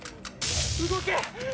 動け！